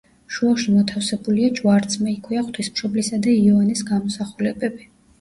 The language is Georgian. შუაში მოთავსებულია ჯვარცმა, იქვეა ღვთისმშობლისა და იოანეს გამოსახულებები.